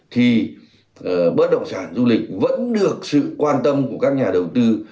thì bất động sản du lịch vẫn được sự quan tâm của các nhà đầu tư